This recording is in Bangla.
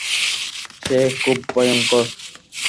সে খুব ভয়ংকর।